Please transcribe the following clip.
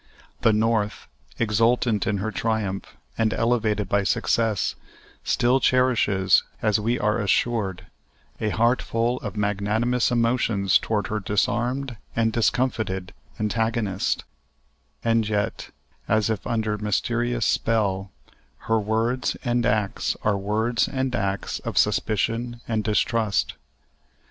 The North, exultant in her triumph and elevated by success, still cherishes, as we are assured, a heart full of magnanimous emotions toward her disarmed and discomfited antagonist; and yet, as if under some mysterious spell, her words and acts are words and acts of suspicion and distrust.